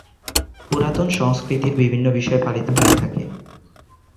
পুরাতন সংস্কৃতির বিভিন্ন বিষয় পালিত হয়ে থাকে।